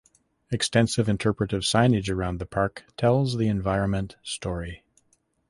Extensive interpretative signage around the park tells the environment story.